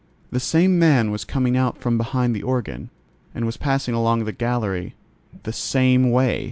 The same man was coming out from behind the organ, and was passing along the gallery the same way.